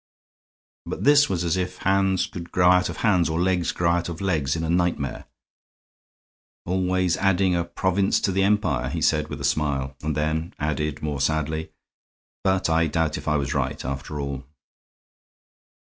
But this was as if hands could grow out of hands or legs grow out of legs in a nightmare. "Always adding a province to the Empire," he said, with a smile, and then added, more sadly, "but I doubt if I was right, after all!"